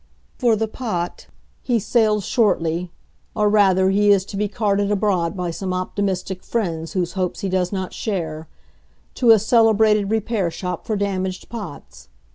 For the Pot he sails shortly, or rather, he is to be carted abroad by some optimistic friends whose hopes he does not share to a celebrated repair shop for damaged pots.